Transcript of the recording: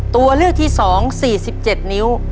ตัวเลือกที่๒๔๗นิ้ว